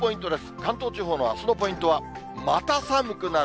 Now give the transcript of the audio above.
関東地方のあすのポイントはまた寒くなる。